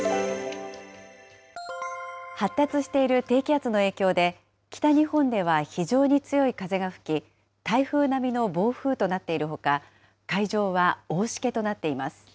発達している低気圧の影響で、北日本では非常に強い風が吹き、台風並みの暴風となっているほか、海上は大しけとなっています。